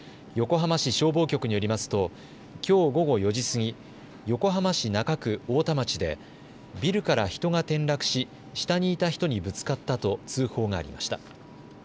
横浜市消防局によりますときょう午後４時過ぎ、横浜市中区太田町でビルから人が転落し下にいた人にぶつかったと通報がありました。